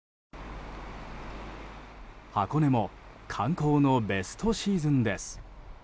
箱根も観光のベストシーズンです。